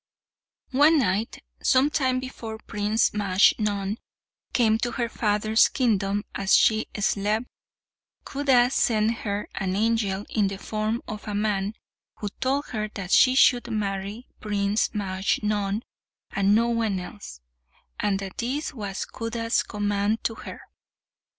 One night, some time before Prince Majnun came to her father's kingdom, as she slept, Khuda sent to her an angel in the form of a man who told her that she should marry Prince Majnun and no one else, and that this was Khuda's command to her.